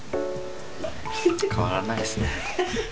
変わらないですね。